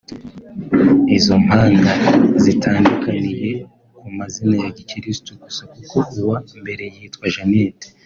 Izo mpanga zitandukaniye ku mazina ya gikristu gusa kuko uwa mbere yitwa Jeanette